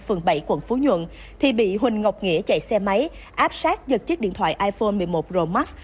phường bảy quận phú nhuận thì bị huỳnh ngọc nghĩa chạy xe máy áp sát giật chiếc điện thoại iphone một mươi một pro max